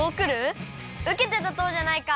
うけてたとうじゃないか！